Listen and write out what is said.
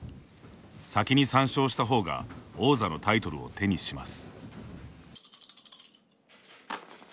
先に３勝した方が王座のタイトルを手にします。